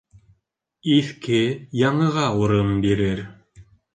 Иҫке яңыға урын бирер.